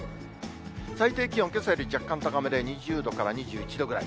最低気温、けさより若干高めで、２０度から２１度ぐらい。